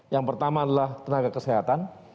yang pertama adalah tenaga kesehatan